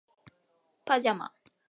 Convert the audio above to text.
パジャマ